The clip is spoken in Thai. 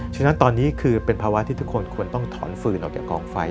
ฉะนั้นตอนนี้คือเป็นภาวะที่ทุกคนควรต้องถอนฟืนออกจากกองไฟ